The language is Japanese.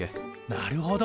なるほど。